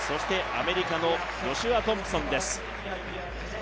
アメリカのジョシュア・トンプソンです。